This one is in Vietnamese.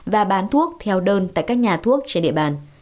và bán thuốc theo đơn tại các nhà thuốc trên địa bàn